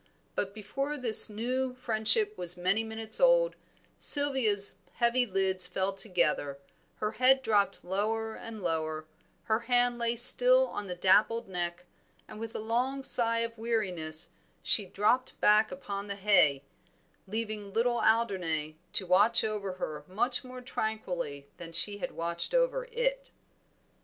But before this new friendship was many minutes old, Sylvia's heavy lids fell together, her head dropped lower and lower, her hand lay still on the dappled neck, and with a long sigh of weariness she dropped back upon the hay, leaving little Alderney to watch over her much more tranquilly than she had watched over it.